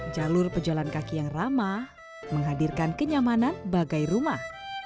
jalur pejalan kaki yang ramah menghadirkan kenyamanan bagai rumah